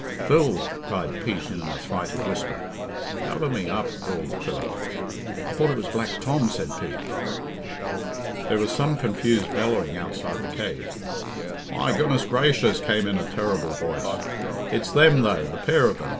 "Phil!" cried Pete, in an affrighted whisper. "Cover me up," drawled Philip. "I thought it was Black Tom," said Pete. There was some confused bellowing outside the cave. "My goodness grayshers!" came in a terrible voice, "it's them, though, the pair of them!